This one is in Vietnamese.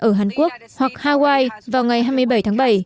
ở hàn quốc hoặc hawaii vào ngày hai mươi bảy tháng bảy